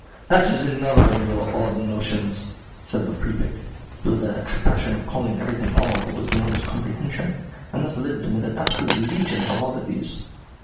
"That is another of your odd notions," said the Prefect, who had the fashion of calling everything "odd" that was beyond his comprehension, and thus lived amid an absolute legion of "oddities."